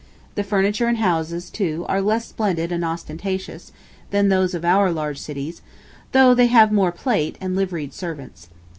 The furniture and houses, too, are less splendid and ostentatious, than those of our large cities, though [they] have more plate, and liveried servants.